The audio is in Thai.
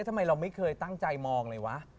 ที่หมายเราไม่าตั้งใจมองเลยวะ